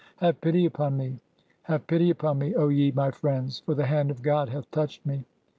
Have pity upon me,— have pity upon me, O ye my friends ; for the hand of God hath touched me."